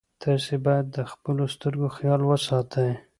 تاسي باید د خپلو سترګو خیال وساتئ.